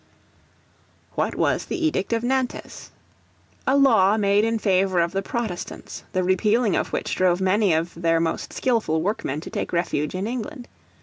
What was the Edict of Nantes? A law made in favor of the Protestants, the repealing of which drove many of their most skilful workmen to take refuge in England.